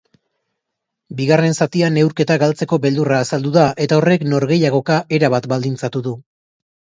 Bigarren zatian neurketa galtzeko beldurra azaldu da eta horrek norgehiagoka erabat baldintzatu du.